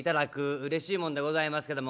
うれしいもんでございますけども。